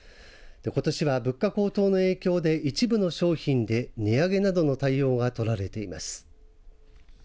ことしは物価高騰の影響で、一部の商品で値上げなどの対応が取られています。